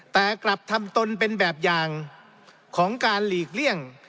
แต่กลับทำตนเป็นแบบอย่างของการหลีกเลี่ยง